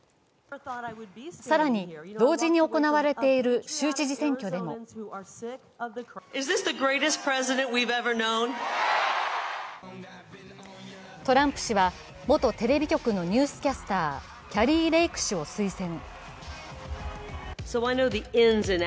更に、同時に行われている州知事選挙でもトランプ氏は元テレビ局のニュースキャスター、キャリー・レイク氏を推薦。